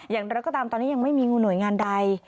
อย่างไรก็ตามตอนนี้ยังไม่มีงูหน่วยงานใด